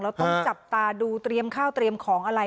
ต้องจับตาดูเตรียมข้าวเตรียมของอะไร